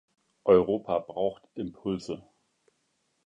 Europa braucht Impulse.